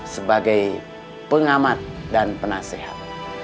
sebagai pengamat dan penasehat